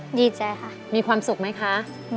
คุณแจ้ค่ะมีความสุขไหมคะ